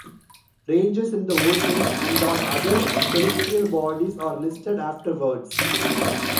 Ranges in the oceans and on other celestial bodies are listed afterwards.